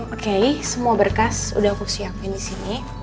oke semua berkas udah aku siapin di sini